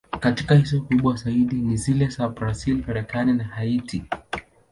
Katika hizo, kubwa zaidi ni zile za Brazil, Marekani na Haiti.